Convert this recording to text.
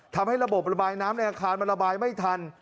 ทำให้ระบบระบายน้ำในอาคารมันระบายไม่ทัน